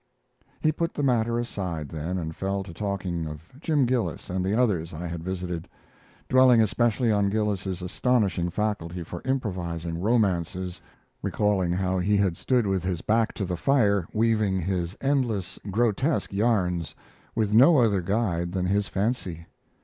He put the matter aside then, and fell to talking of Jim Gillis and the others I had visited, dwelling especially on Gillis's astonishing faculty for improvising romances, recalling how he had stood with his back to the fire weaving his endless, grotesque yarns, with no other guide than his fancy.